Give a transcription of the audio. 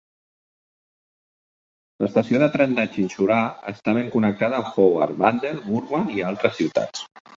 L'estació de tren de Chinsurah està ben connectada amb Howrah, Bandel, Burdwan i altres ciutats.